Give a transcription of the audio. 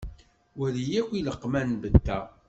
Wali akk ileqman beta.